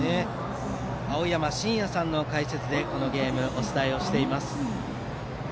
青山眞也さんの解説でこのゲームお伝えをしています。